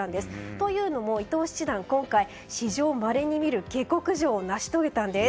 というのも伊藤七段、史上まれに見る下剋上を成し遂げたんです。